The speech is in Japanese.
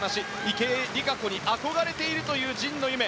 池江璃花子に憧れているという神野ゆめ。